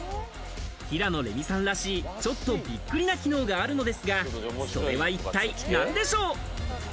平野レミさんらしい、ちょっとびっくりな機能があるのですが、それは一体何でしょう？